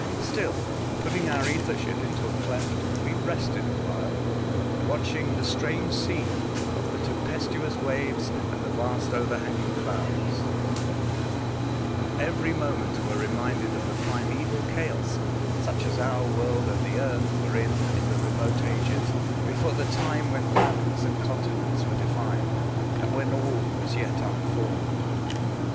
Still, putting our ether ship into a cleft, we rested awhile, watching the strange scene of the tempestuous waves and the vast overhanging clouds, and every moment were reminded of the primseval chaos, such as our First Impressions. 165 world and the earth were in in the remote ages, before the time when lands and continents were defined, and when all was ^^et unformed.